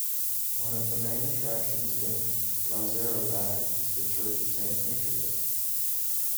One of the main attaractions in Lazarevac is the Church of St.Demetrius.